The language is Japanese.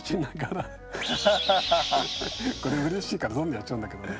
これうれしいからどんどんやっちゃうんだけどね。